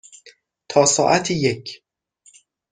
تا ساعت یک.